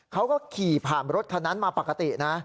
เขาก็ขี่ผ่านรถคันนั้นมาปกตินะ